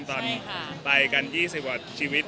ตอนไปกัน๒๐กว่าชีวิต